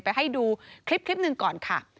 ไปให้ดูคลิปหนึ่งก่อนค่ะ